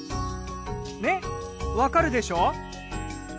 ねっわかるでしょ？